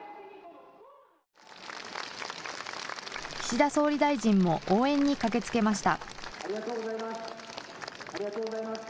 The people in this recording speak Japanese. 岸田総理大臣も、応援に駆けつけました。